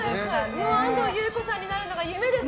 安藤優子さんになるのが夢です。